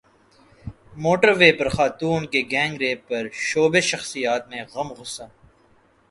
motor وے پر خاتون کے گینگ ریپ پرشوبز شخصیات میں غم غصہ